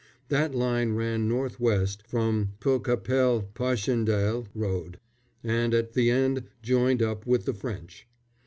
That line ran north west from Poelcapelle Paschendaile Road, and at the end joined up with the French.